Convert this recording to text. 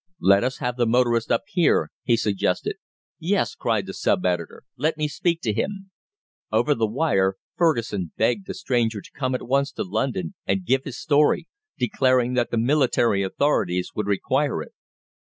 Let us have the motorist up here," he suggested. "Yes," cried the sub editor. "Let me speak to him." Over the wire Fergusson begged the stranger to come at once to London and give his story, declaring that the military authorities would require it.